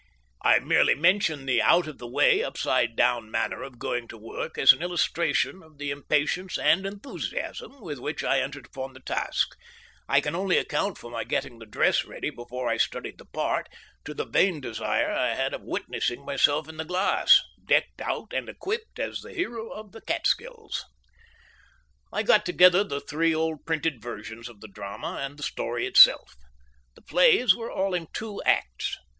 I merely mention the out of the way, upside down manner of going to work as an illustration of the impatience and enthusiasm with which I entered upon the task, I can only account for my getting the dress ready before I studied the part to the vain desire I had of witnessing myself in the glass, decked out and equipped as the hero of the Catskills. I got together the three old printed versions of the drama and the story itself. The plays were all in two acts.